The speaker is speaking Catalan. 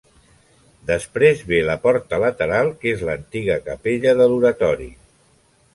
Després ve la porta lateral que és l'antiga capella de l'oratori.